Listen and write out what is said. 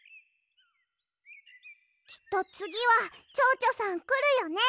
きっとつぎはチョウチョさんくるよね。